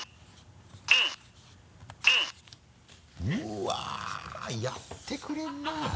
うわやってくれるな。